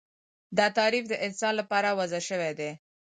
دا تعریف د انسان لپاره وضع شوی دی